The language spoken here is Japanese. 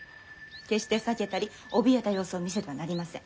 決して避けたりおびえた様子を見せてはなりません。